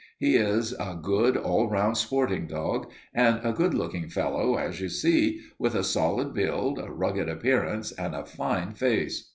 He is a good, all round sporting dog, and a good looking fellow, as you see, with a solid build, a rugged appearance, and a fine face.